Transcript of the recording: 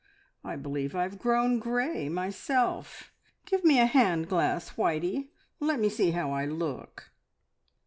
I believe I have grown grey myself. Give me a hand glass, Whitey, and let me see how I look."